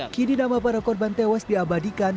kini nama para korban tewas diabadikan